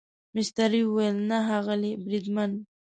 مستري وویل نه ښاغلی بریدمن.